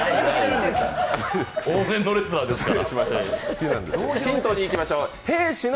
往年のレスラーですから。